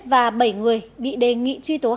và bảy người bị đề nghị truy tố